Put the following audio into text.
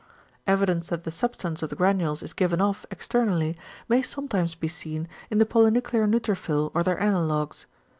Evidence that the substance of the granules is given off externally may sometimes be seen in the polynuclear neutrophil or their analogues.